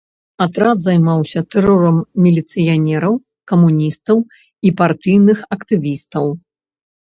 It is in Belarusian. Атрад займаўся тэрорам міліцыянераў, камуністаў і партыйных актывістаў.